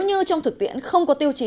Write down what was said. như trong thực tiễn không có tiêu chí